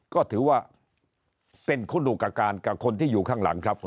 ก็ถือว่าเป็นคุณอุกการณ์กับคนที่อยู่ข้างหลังครับ